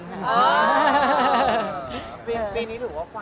ปีนี้หรือว่ากวาดพรีเสนเตอร์เยอะเหมือนกัน